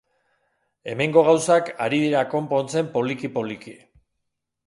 Hemengo gauzak ari dira konpontzen poliki-poliki.